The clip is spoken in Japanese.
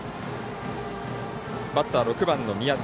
バッター、６番の宮田。